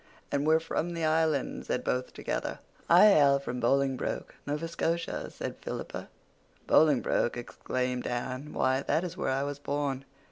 "And we're from the Island," said both together. "I hail from Bolingbroke, Nova Scotia," said Philippa. "Bolingbroke!" exclaimed Anne. "Why, that is where I was born."